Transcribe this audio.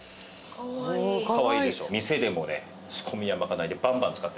かわいいでしょ？